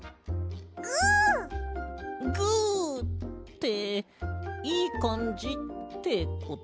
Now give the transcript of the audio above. グッ！グッ！っていいかんじってこと？